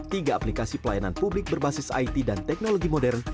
tiga aplikasi pelayanan publik berbasis it dan teknologi modern